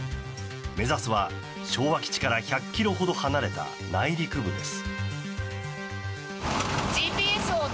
目指すは、昭和基地から１００ｋｍほど離れた内陸部です。